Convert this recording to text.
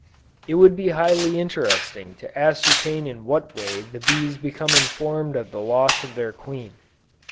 It would be highly interesting to ascertain in what way the bees become informed of the loss of their queen.